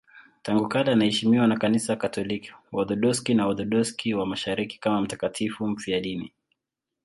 Tangu kale anaheshimiwa na Kanisa Katoliki, Waorthodoksi na Waorthodoksi wa Mashariki kama mtakatifu mfiadini.